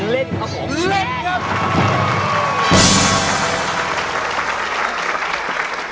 เล่นครับผม